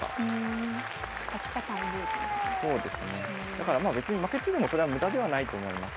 だからまあ負けててもそれは無駄ではないと思います。